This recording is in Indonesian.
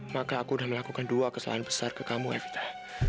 maka aku sudah melakukan dua kesalahan besar ke kamu adita